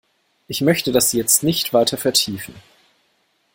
Ich möchte das jetzt nicht weiter vertiefen.